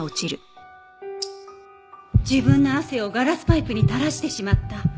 自分の汗をガラスパイプに垂らしてしまった。